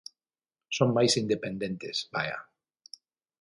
Son máis independentes, vaia.